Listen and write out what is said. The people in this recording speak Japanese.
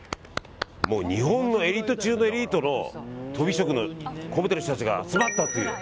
日本のエリート中のエリートのとび職の人たちが集まったっていう。